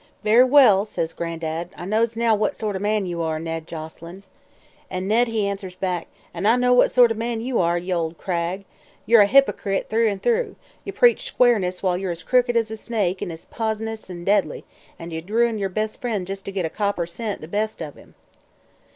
"' Very well,' says Gran'dad, 'I knows now what sort o' a man you are, Ned Joselyn.' An' Ned he answers back: 'An' I know what sort o' a man you are, ol' Cragg. Yer a hypercrit through an' through; ye preach squareness while yer as crooked as a snake, an' as p'isonous an' deadly, an' ye'd ruin yer bes' friend jes' to git a copper cent the best o' him.'